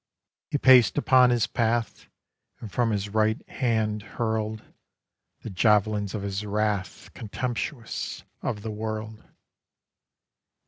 He paced upon his path And from his right hand hurl'd The javelins of his wrath, Contemptuous of the world.